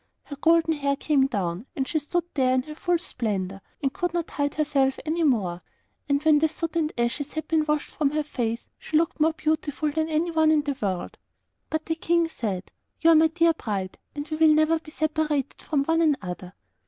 Her golden hair came down, and she stood there in her full splendour, and could not hide herself away any more. And when the soot and ashes had been washed from her face, she looked more beautiful than anyone in the world. But the King said, 'You are my dear bride, and we will never be separated from one another.